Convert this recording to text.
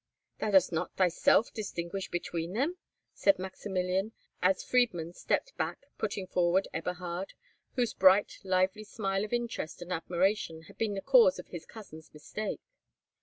"Thou dost not thyself distinguish between them!" said Maximilian, as Friedmund stepped back, putting forward Eberhard, whose bright, lively smile of interest and admiration had been the cause of his cousin's mistake.